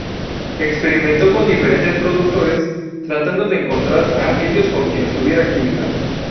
Experimentó con diferentes productores, tratando de encontrar a aquellos con quienes tuviera química.